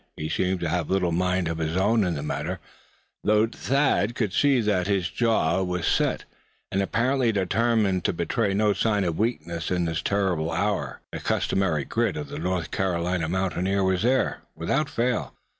He seemed to have little mind of his own in the matter; though Thad could see that he had his jaws set, and was apparently determined to betray no sign of weakness in this terrible hour. The customary grit of the North Carolina mountaineer was there, without fail.